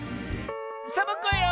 サボ子よ！